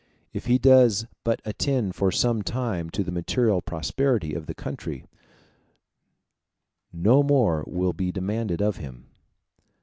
If he does but attend for some time to the material prosperity of the country, no more will be demanded of him.